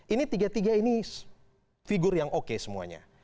ini tiga tiga ini figur yang oke semuanya